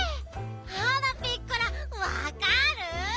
あらピッコラわかる？